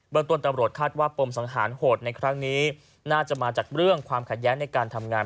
ต้นตำรวจคาดว่าปมสังหารโหดในครั้งนี้น่าจะมาจากเรื่องความขัดแย้งในการทำงาน